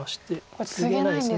これツゲないんですか。